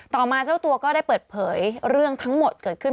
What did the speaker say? ต่อมาเจ้าตัวก็ได้เปิดเผยเรื่องทั้งหมดเกิดขึ้น